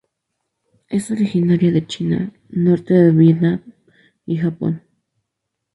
Es originaria de China, norte de Vietnam y Japón.